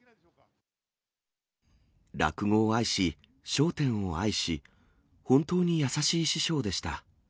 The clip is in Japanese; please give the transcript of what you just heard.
落語を愛し、笑点を愛し、本当に優しい師匠でした。